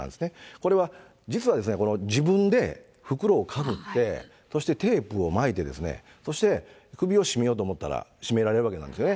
これは実は、自分で袋をかぶって、そしてテープを巻いてですね、そして、首を絞めようと思ったら絞められるわけなんですよね。